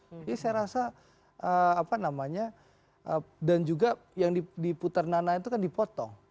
jadi saya rasa apa namanya dan juga yang diputar nananya itu kan dipotong